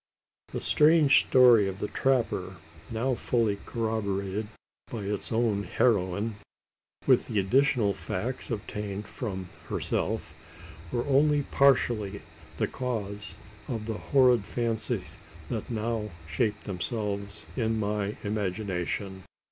The strange story of the trapper, now fully corroborated by its own heroine with the additional facts obtained from herself were only partially the cause of the horrid fancies that now shaped themselves in my imagination.